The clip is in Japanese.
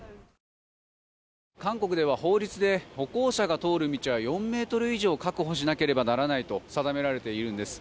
韓国では法律で歩行者が通る道は４ｍ以上確保しなければならないと定められているんです。